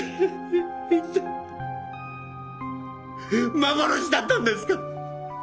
幻だったんですか？